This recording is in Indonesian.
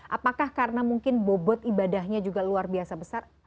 apakah karena mungkin bobot ibadahnya juga luar biasa besar